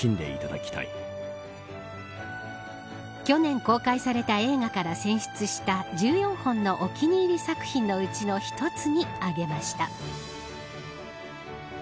去年公開された映画から選出した１４本のお気に入り作品のうちの１つにあげました。